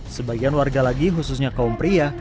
sebagian warga lagi khususnya kaum pria